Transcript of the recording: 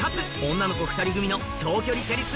女の子２人組の長距離チャリ通